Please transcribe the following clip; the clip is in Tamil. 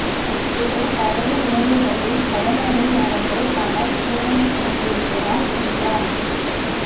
ஏதோ பழைய நினைவுகளில் கடமையை மறந்து அவன் துரங்கிக் கொண்டிருக்கிறான் என்றான்.